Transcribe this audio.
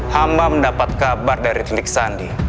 hamba mendapat kabar dari telik sandi